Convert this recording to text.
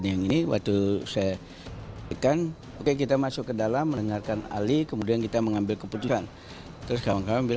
yang baru akan dilakukan setelah reses nanti